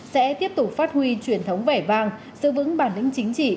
sẽ tiếp tục phát huy truyền thống vẻ vàng sự vững bản lĩnh chính trị